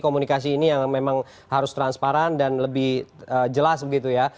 komunikasi ini yang memang harus transparan dan lebih jelas begitu ya